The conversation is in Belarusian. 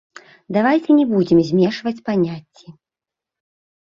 Давайце не будзем змешваць паняцці.